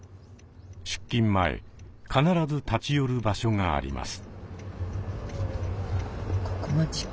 出勤前必ず立ち寄る場所があります。